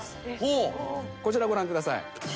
こちらご覧ください。